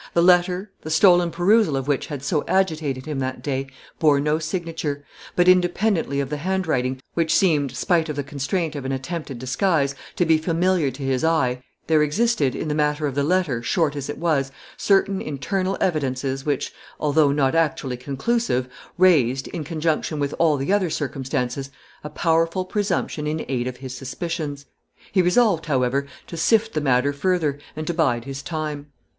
The letter, the stolen perusal of which had so agitated him that day, bore no signature; but, independently of the handwriting, which seemed, spite of the constraint of an attempted disguise, to be familiar to his eye, there existed, in the matter of the letter, short as it was, certain internal evidences, which, although not actually conclusive, raised, in conjunction with all the other circumstances, a powerful presumption in aid of his suspicions. He resolved, however, to sift the matter further, and to bide his time.